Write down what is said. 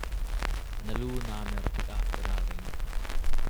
Na lu naa mer tikah i ralring.